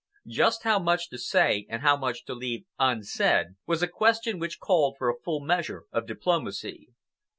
Just how much to say and how much to leave unsaid was a question which called for a full measure of diplomacy.